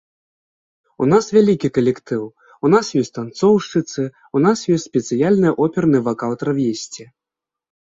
У нас вялікі калектыў, у нас ёсць танцоўшчыцы, у нас ёсць спецыяльны оперны вакал-травесці.